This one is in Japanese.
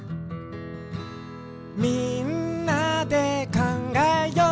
「みんなでかんがえよう」